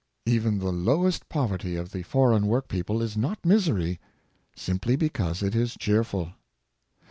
Even the lowest poverty of the foreign work people is not misery, simply because it is cheer ful.